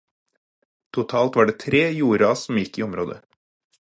Totalt var det tre jordras som gikk i området.